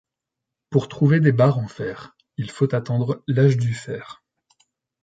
Pour trouver des barres en fer, il faut attendre l'âge du fer.